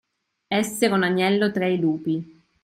Essere un agnello tra i lupi.